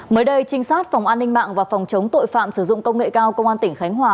mới đây trinh sát phòng an ninh mạng và phòng chống tội phạm sử dụng công nghệ cao công an tỉnh khánh hòa